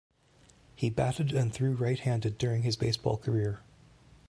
He batted and threw right-handed during his baseball career.